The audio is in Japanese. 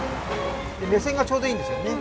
目線がちょうどいいんですよね。